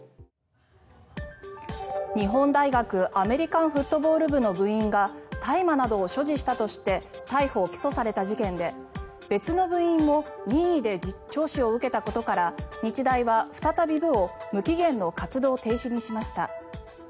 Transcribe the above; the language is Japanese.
日本大学アメリカンフットボール部の部員が大麻などを所持したとして逮捕・起訴された事件で別の部員も任意で聴取を受けたことから日大は再び部を無期限の活動停止にしました。